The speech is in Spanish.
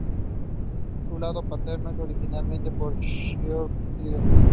Su lado paterno era originalmente de Shropshire.